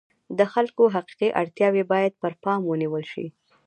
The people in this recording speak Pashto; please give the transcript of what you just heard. د خلکو حقیقي اړتیاوې باید پر پام ونیول شي.